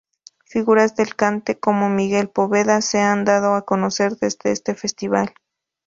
Figuras del cante como Miguel Poveda se han dado a conocer desde este Festival.